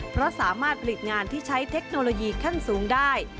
เพราะสามารถผลิตงานที่ใช้เทคโนโลยีขั้นสูงได้